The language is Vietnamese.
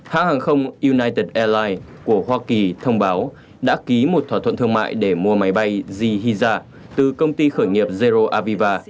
hãng hàng không united airlines của hoa kỳ thông báo đã ký một thỏa thuận thương mại để mua máy bay ji hiza từ công ty khởi nghiệp zero avivar